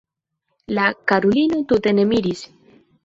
La karulino tute ne miris.